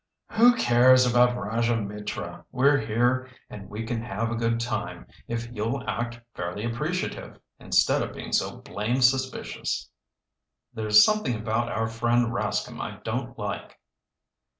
"Who cares about Rajah Mitra? We're here and we can have a good time if you'll act fairly appreciative, instead of being so blamed suspicious." "There's something about our friend Rascomb I don't like."